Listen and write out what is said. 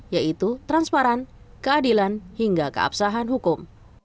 yaitu transparan keadilan hingga keabsahan hukum